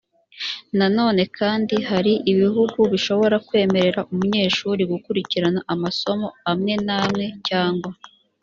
nanone kandi hari ibihugu bishobora kwemerera umunyeshuri gukurikirana amasomo amwe n amwe cyangwa